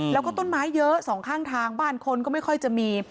แล้วก็ต้นไม้เยอะสองข้างทางบ้านคนก็ไม่ค่อยจะมี